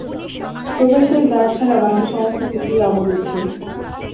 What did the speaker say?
প্রবেশের দ্বার ছাড়া বাকি সমস্ত কুঠরি অবরুদ্ধ।